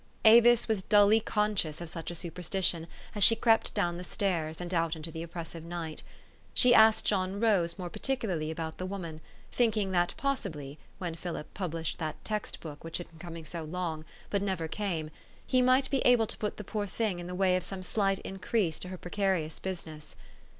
Avis was dully conscious of such a superstition as she crept down the stairs, and out into the oppressive night. She asked John Rose more particularly about the woman, thinking that possibly, when Philip published that text book which had been coming out so long, but never came, he might be able to put the poor thing in the way of some slight increase to her precarious business.